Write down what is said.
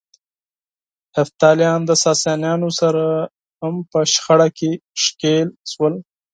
هېپتاليان د ساسانيانو سره هم په شخړه کې ښکېل شول.